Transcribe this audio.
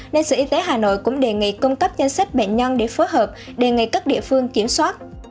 nên sở y tế hà nội cũng đề nghị cung cấp danh sách bệnh nhân để phối hợp đề nghị các địa phương kiểm soát